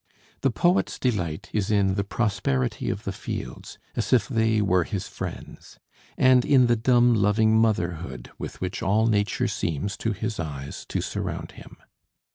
The poet's delight is in the prosperity of the fields, as if they were his friends, and in the dumb loving motherhood with which all nature seems, to his eyes, to surround him.